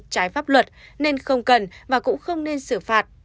trái pháp luật nên không cần và cũng không nên xử phạt